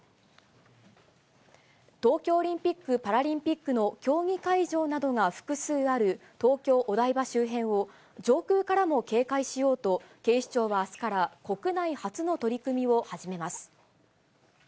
東京オリンピック・パラリンピックの競技会場などが複数ある、東京・お台場周辺を上空からも警戒しようと、警視庁はあすから国内初の取り組みを始めます。